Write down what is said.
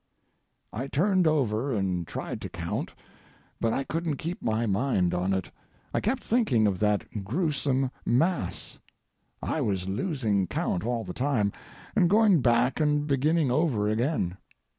I turned over and tried to count, but I couldn't keep my mind on it. I kept thinking of that grewsome mass. I was losing count all the time, and going back and beginning over again.